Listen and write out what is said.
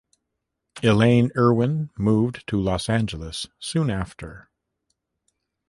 Elaine Irwin moved to Los Angeles soon after.